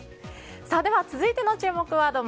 では続いての注目ワード